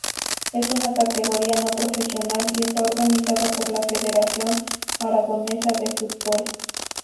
Es una categoría no profesional y está organizada por la Federación Aragonesa de Fútbol.